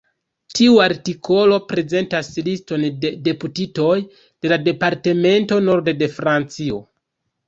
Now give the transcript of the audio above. Tiu artikolo prezentas liston de deputitoj de la departemento Nord de Francio.